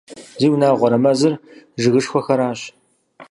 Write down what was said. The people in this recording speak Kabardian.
Зиунагъуэрэ, мэзыр жыгышхуэхэращ!